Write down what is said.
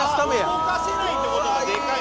動かせないってことかデカい。